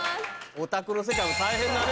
オタクの世界も大変だね